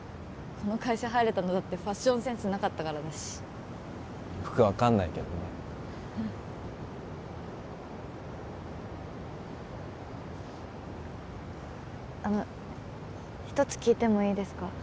この会社入れたのだってファッションセンスなかったからだしよく分かんないけどねあの一つ聞いてもいいですか？